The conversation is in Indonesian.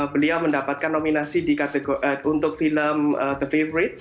beliau mendapatkan nominasi untuk film the favorit